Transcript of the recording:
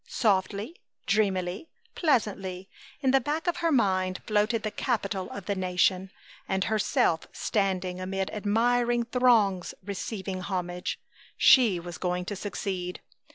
Softly, dreamily, pleasantly, in the back of her mind floated the Capitol of the nation, and herself standing amid admiring throngs receiving homage. She was going to succeed.